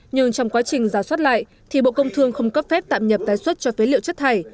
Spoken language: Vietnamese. nhưng trong quá trình giả soát lại thì bộ công thương không cấp phép tạm nhập tái xuất cho phế liệu chất thải